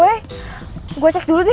boleh gue cek dulu deh